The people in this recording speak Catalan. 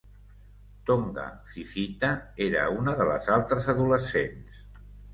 Tonga Fifita era una de les altres adolescents.